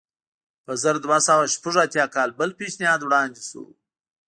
په زر دوه سوه شپږ اتیا کال بل پېشنهاد وړاندې شو.